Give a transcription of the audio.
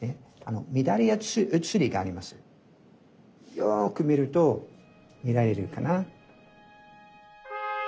よく見ると見られるかな。